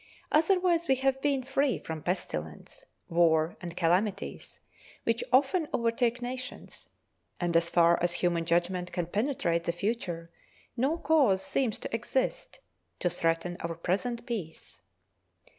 Otherwise we have been free from pestilence, war, and calamities, which often overtake nations; and, as far as human judgment can penetrate the future, no cause seems to exist to threaten our present peace.